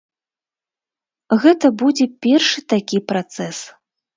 Гэта будзе першы такі працэс.